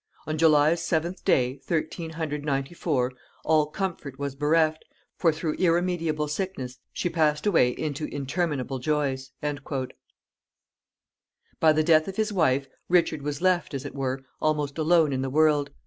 On July's seventh day, thirteen hundred ninety four, All comfort was bereft, for through irremediable sickness She passed away into interminable joys." By the death of his wife, Richard was left, as it were, almost alone in the world.